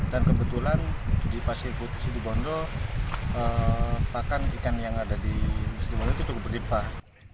dan kebetulan di pasir putih situ bondo pakan ikan yang ada di situ bondo itu cukup berdipah